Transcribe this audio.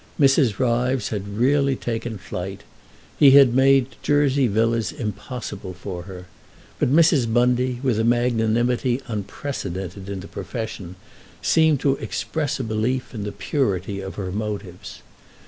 Mrs. Ryves had really taken flight—he had made Jersey Villas impossible for her—but Mrs. Bundy, with a magnanimity unprecedented in the profession, seemed to express a belief in the purity of her motives.